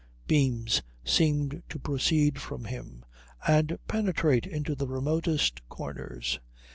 Beams seemed to proceed from him and penetrate into the remotest corners.